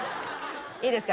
いいですか？